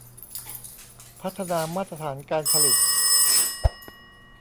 พัฒนามาตรฐานการผลิต